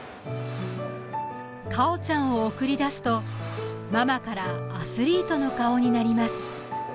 果緒ちゃんを送り出すとママからアスリートの顔になります